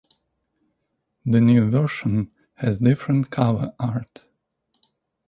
The new version has different cover art.